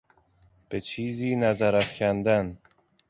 به چیزی نظر افکندن